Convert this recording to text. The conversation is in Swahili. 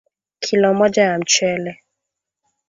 Kilo moja ya mchele